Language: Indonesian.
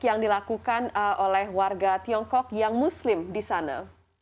yang dilakukan oleh warga tiongkok yang muslim di sana